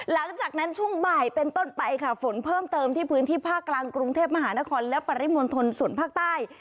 หลังจากนั้นช่วงบ่ายเป็นต้นไปค่ะฝนเพิ่มเติมที่พื้นที่ภาคกลางกรุงเทพมหานครและปริมณฑลส่วนภาคใต้